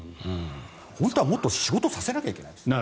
本当はもっと仕事させなきゃいけないです。